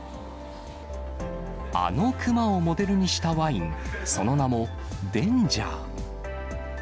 あの熊をモデルにしたワイン、その名も、デンジャー。